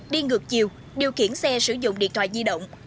đi ngược chiều điều khiển xe sử dụng điện thoại di động